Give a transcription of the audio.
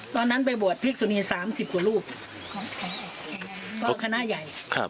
ตอนนั้นไปบวชภิกษุนี๓๐กว่ารูปก็คณะใหญ่